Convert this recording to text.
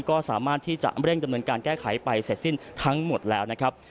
ก็สามารถที่จะเร่งดำเนินการแก้ไขไปเสร็จสิ้นทั้งหมดแล้วนะครับ